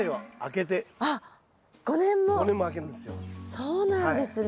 そうなんですね。